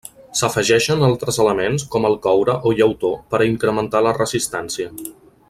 S'afegeixen altres elements com el coure o llautó per incrementar la resistència.